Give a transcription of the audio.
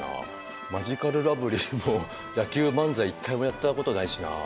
マヂカルラブリーも野球漫才一回もやったことないしなあ。